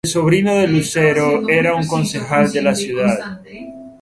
El sobrino de Lucero era un concejal de la ciudad.